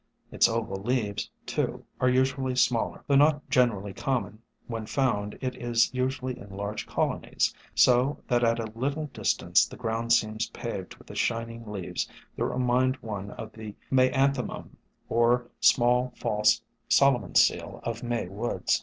Its oval leaves, too, are usually smaller. Though not generally common, when found it is usually in large colonies, so that at a little dis tance the ground seems paved with the shining leaves that remind one of the Maianthemum or Small False Solomon's Seal of May woods.